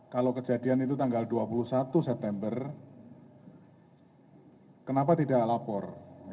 kalau kejadian itu tanggal dua puluh satu september kenapa tidak lapor